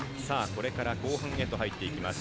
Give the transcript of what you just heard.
これから後半へと入っていきます。